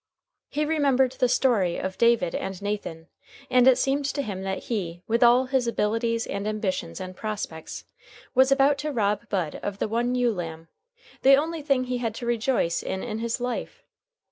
He remembered the story of David and Nathan, and it seemed to him that he, with all his abilities and ambitions and prospects, was about to rob Bud of the one ewe lamb, the only thing he had to rejoice in in his life.